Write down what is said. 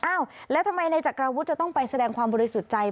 อ้าวแล้วทำไมในจักรวุฒิจะต้องไปแสดงความบริสุทธิ์ใจ